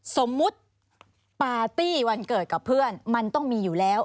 สมมุติปาร์ตี้วันเกิดกับเพื่อนมันต้องมีอยู่แล้ว